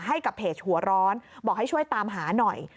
ให้กับเพจหัวร้อนบอกให้ช่วยตามหาหน่อย